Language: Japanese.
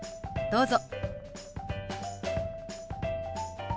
どうぞ。